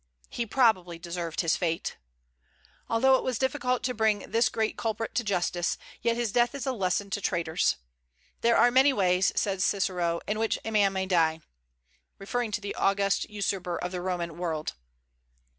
He probably deserved his fate. Although it was difficult to bring this great culprit to justice, yet his death is a lesson to traitors. "There are many ways," said Cicero, "in which a man may die," referring to the august usurper of the Roman world.